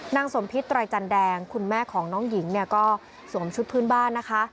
นางสมพิษไตรจันแดงคุณแม่ของน้องหญิงเนี่ยก็สวมชุดพื้นบ้านนะคะ